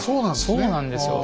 そうなんですよ。